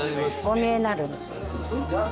お見えになる。